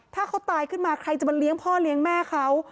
ถ้าเขาตายขึ้นมาใครจะมาเลี้ยงพ่อเลี้ยงแม่เขา